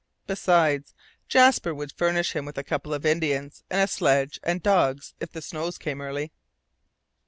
Besides, Jasper would furnish him with a couple of Indians, and a sledge and dogs if the snows came early.